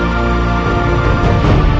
maafkan aku juga ibunya